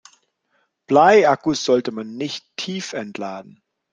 Bleiakkus sollte man nicht tiefentladen.